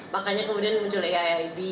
makanya kemudian muncul aiib